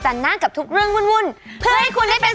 สดุดีมหาราชแห่งชาติไทยรัฐ